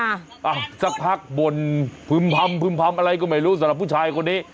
น่าสักพักบนพึมพำอะไรก็ไม่รู้สำหรับผู้ชายคนนี้